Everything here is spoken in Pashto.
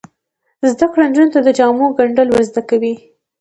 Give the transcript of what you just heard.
زده کړه نجونو ته د جامو ګنډل ور زده کوي.